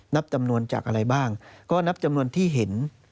นับจำนวนจากอะไรบ้างก็นับจำนวนที่เห็น